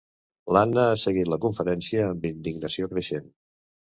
L'Anna ha seguit la conferència amb indignació creixent.